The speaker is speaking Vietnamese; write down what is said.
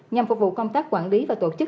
nhằm phục vụ công tác quản lý và tổ chức